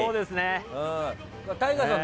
ＴＡＩＧＡさん